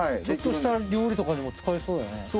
ちょっとした料理とかにも使えそうだね。